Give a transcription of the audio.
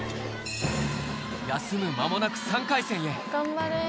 休む間もなく３回戦へ。